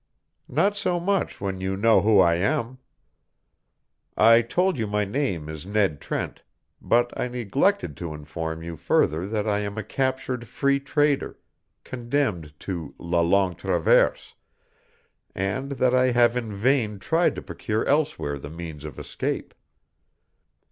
"Not so much so when you know who I am. I told you my name is Ned Trent, but I neglected to inform you further that I am a captured Free Trader, condemned to la Longue Traverse, and that I have in vain tried to procure elsewhere the means of escape."